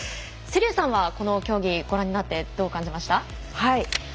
瀬立さんはこの競技ご覧になってどう感じました？